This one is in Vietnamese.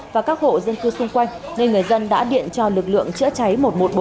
và các hộ dân cư xung quanh nên người dân đã điện cho lực lượng chữa cháy một trăm một mươi bốn